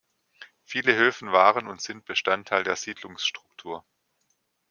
Viele Höfe waren und sind Bestandteil der Siedlungsstruktur.